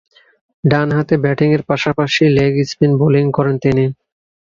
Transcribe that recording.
ডানহাতে ব্যাটিংয়ের পাশাপাশি লেগ স্পিন বোলিং করেন তিনি।